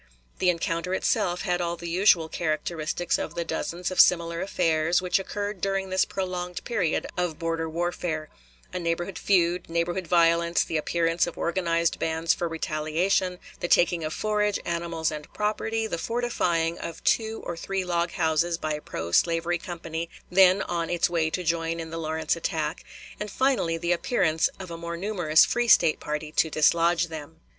The encounter itself had all the usual characteristics of the dozens of similar affairs which occurred during this prolonged period of border warfare a neighborhood feud; neighborhood violence; the appearance of organized bands for retaliation; the taking of forage, animals, and property; the fortifying of two or three log houses by a pro slavery company then on its way to join in the Lawrence attack, and finally the appearance of a more numerous free State party to dislodge them.